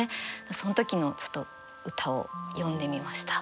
その時の歌を詠んでみました。